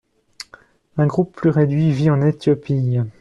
Un groupe plus réduit vit en Éthiopie.